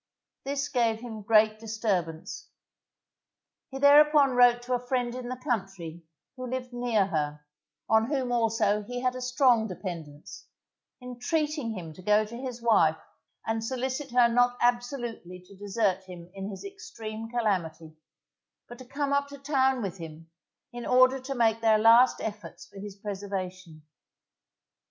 This gave him great disturbance. He thereupon wrote to a friend in the country, who lived near her, on whom also he had a strong dependance, entreating him to go to his wife and solicit her not absolutely to desert him in his extreme calamity, but to come up to town with him, in order to make their last efforts for his preservation.